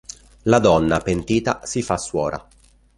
La donna, pentita, si fa suora.